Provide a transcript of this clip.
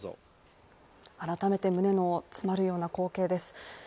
改めて胸の詰まるような光景です。